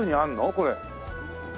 これ。